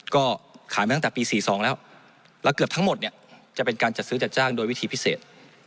ก็ขายมาตั้งแต่ปี๔๒แล้วแล้วเกือบทั้งหมดเนี่ยจะเป็นการจัดซื้อจัดจ้างโดยวิธีพิเศษ